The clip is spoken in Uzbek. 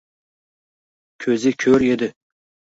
Ko’zi ko’r edi